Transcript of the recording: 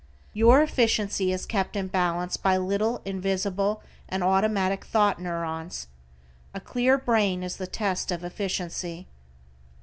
Your efficiency is kept in balance by little, invisible and automatic thought neurons. A clear brain is the test of efficiency.